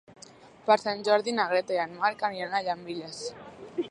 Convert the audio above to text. Per Sant Jordi na Greta i en Marc aniran a Llambilles.